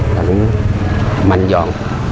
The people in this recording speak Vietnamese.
đã mạnh dạn